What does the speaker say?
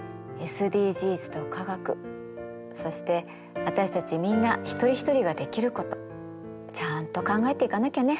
ＳＤＧｓと科学そして私たちみんな一人ひとりができることちゃんと考えていかなきゃね。